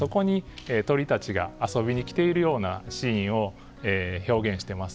そこに鳥たちが遊びに来ているようなシーンを表現しています。